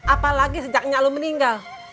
apalagi sejaknya lo meninggal